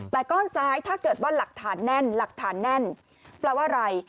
แต่ก้อนซ้ายถ้าเกิดว่าหลักฐานแน่นหลักฐานแน่นแปลว่าอะไร